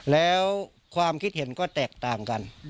แล้วความคิดเห็นก็แตกต่างกัน